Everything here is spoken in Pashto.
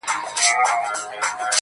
د اور ورين باران لمبو ته چي پناه راوړې,